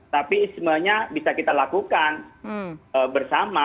tapi ismenya bisa kita lakukan bersama